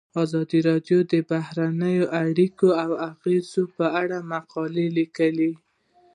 ازادي راډیو د بهرنۍ اړیکې د اغیزو په اړه مقالو لیکلي.